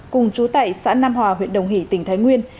cùng chú tại xã nam hòa huyện đồng hỷ tỉnh thái nguyên